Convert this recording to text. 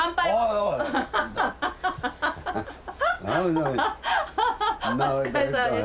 お疲れさまです。